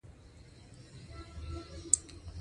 هغه اقتصادي وده له خلاق تخریب سره مله وه.